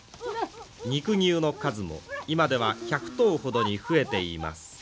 肉牛の数も今では１００頭ほどに増えています。